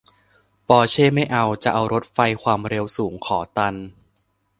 ปอร์เช่ไม่เอา จะเอารถไฟความเร็วสูง ขอตัน